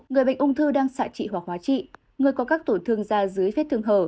người bệnh ung thư đang xạ trị hoặc hóa trị người có các tổn thương da dưới vết thương hở